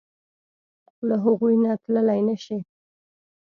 له هغوی نه تللی نشې.